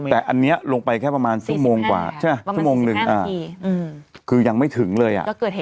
แต่อันนี้ลงไปแค่ประมาณชั่วโมงกว่าใช่ไหมชั่วโมงหนึ่งคือยังไม่ถึงเลย